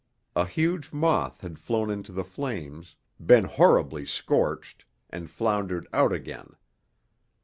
A huge moth had flown into the flames, been horribly scorched, and floundered out again.